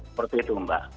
seperti itu mbak